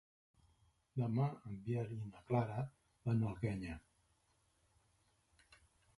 Demà en Biel i na Clara van a l'Alguenya.